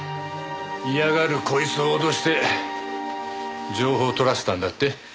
嫌がるこいつを脅して情報を取らせたんだって？